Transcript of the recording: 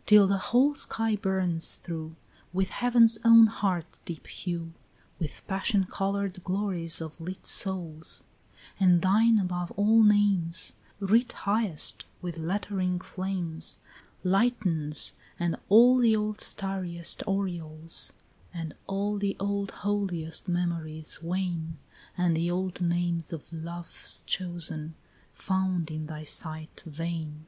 14 Till the whole sky burns through With heaven's own heart deep hue, With passion coloured glories of lit souls; And thine above all names Writ highest with lettering flames Lightens, and all the old starriest aureoles And all the old holiest memories wane, And the old names of love's chosen, found in thy sight vain.